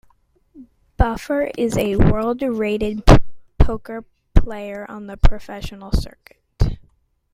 Buffer is a world-rated poker player on the professional circuit.